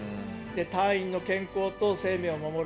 隊員の健康と生命を守る。